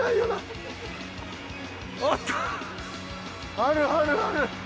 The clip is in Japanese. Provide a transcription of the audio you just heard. あるあるある！